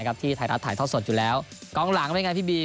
นะครับที่ถ่ายรักถ่ายทอดสดอยู่แล้วกล้องหลังก็เป็นอย่างไรพี่บี